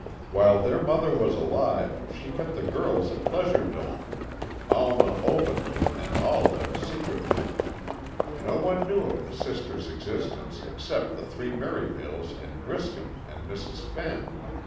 While their mother was alive she kept the girls at Pleasure Dome, Alma openly and Alda secretly. No one knew of the sister's existence except the three Merivales and Griscom and Mrs. Fenn.